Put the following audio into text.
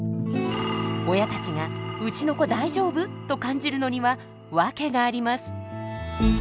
親たちが「うちの子大丈夫？」と感じるのにはワケがあります。